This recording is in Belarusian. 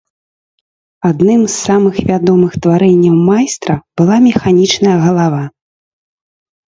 Адным з самых вядомых тварэнняў майстра была механічная галава.